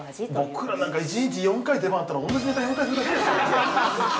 ◆僕らなんか、１日４回出番があったら、同じネタ４回するだけですから。